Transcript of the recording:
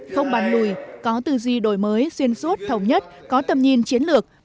không bàn lùi có tư duy đổi mới xuyên suốt thống nhất có tầm nhìn chiến lược